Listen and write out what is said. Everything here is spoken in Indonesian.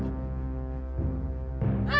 eh eh eh apaan